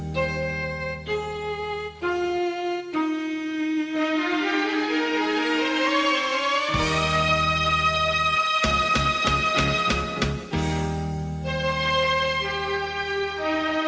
เพลงที่๒เพลง